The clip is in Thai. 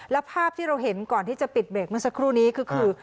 แล้วภาพที่เราเห็นก่อนที่จะปิดเบรกเมื่อสักครู่นี้ก็คือ